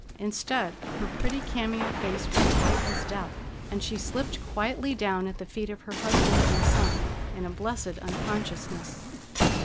Instead, her pretty cameo face went white as death, and she slipped quietly down at the feet of her husband and son in a blessed unconsciousness.